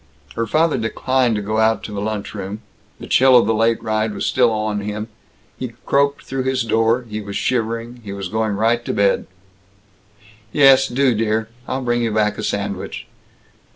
Her father declined to go out to the lunch room. The chill of the late ride was still on him, he croaked through his door; he was shivering; he was going right to bed. "Yes, do, dear. I'll bring you back a sandwich."